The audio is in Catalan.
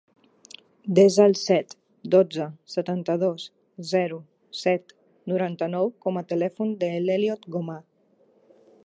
Desa el set, dotze, setanta-dos, zero, set, noranta-nou com a telèfon de l'Elliot Goma.